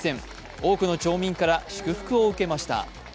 多くの町民から、祝福を受けました。